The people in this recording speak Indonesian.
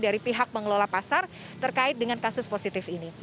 dari pihak pengelola pasar terkait dengan kasus positif ini